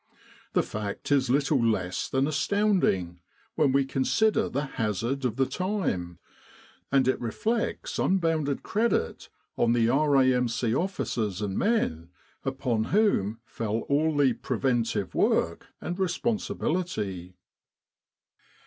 The fact is little less than astounding, when we consider the hazard of the time; and it reflects unbounded credit on the R.A.M.C. officers and men, upon whom fell all the preventive work and responsibility.